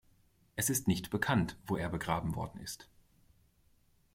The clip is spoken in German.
Es ist nicht bekannt, wo er begraben worden ist.